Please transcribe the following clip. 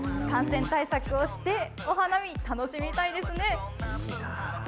感染対策をして、お花見、楽しみたいですね。